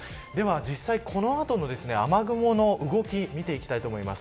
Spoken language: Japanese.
実際のこの後の雨雲の動きを見ていきます。